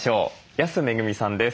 安めぐみさんです。